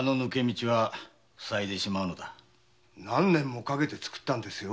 何年もかけて造ったんですよ。